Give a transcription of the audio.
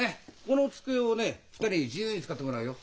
この机をね２人に自由に使ってもらうよ。